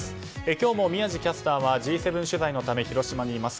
今日も宮司キャスターはＧ７取材のため広島にいます。